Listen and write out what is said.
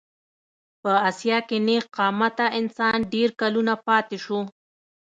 په اسیا کې نېغ قامته انسان ډېر کلونه پاتې شو.